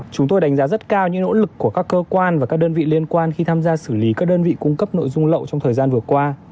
chúng tôi đánh giá rất cao những nỗ lực của các đơn vị cung cấp nội dung lậu trong thời gian vừa qua